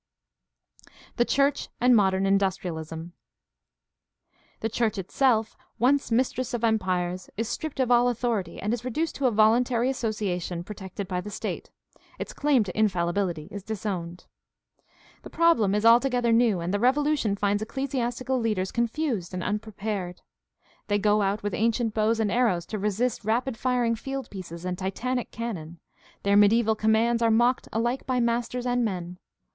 The church and modem industrialism. — The church itself, once mistress of empires, is stripped of all authority and is reduced to a voluntary association protected by the state; its claim to infallibility is disowned. The problem is alto gether new and the revolution finds ecclesiastical leaders con CHRISTIANITY AND SOCIAL PROBLEMS 695 fused and unprepared. They go out with ancient bows and arrows to resist rapid firing fieldpieces and titanic cannon; their mediaeval commands are mocked alike by masters and men.